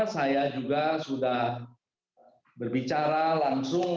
saya juga sudah berbicara langsung